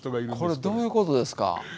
これどういうことですか？